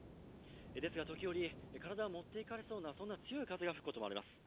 ですが時折、体が持っていかれそうなそんな強い風が吹くときもあります。